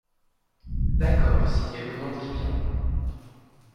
D’accord, s’il y a du monde qui vient.